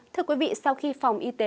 thưa quý vị sau khi phòng y tế